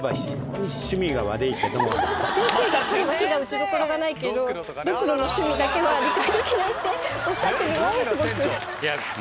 先生が「彼は非の打ちどころがないけどドクロの趣味だけは理解できない」とおっしゃってる。